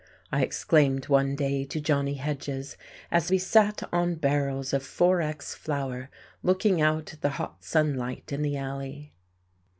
I exclaimed one day to Johnny Hedges, as we sat on barrels of XXXX flour looking out at the hot sunlight in the alley.